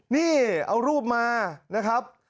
นี่เอารูปมานะครับ